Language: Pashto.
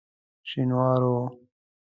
شینوارو.